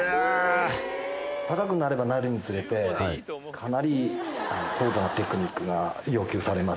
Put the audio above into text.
高くなればなるにつれて、かなり高度なテクニックが要求されます。